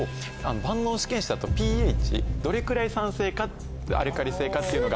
万能試験紙だとｐＨどれくらい酸性かアルカリ性かっていうのが。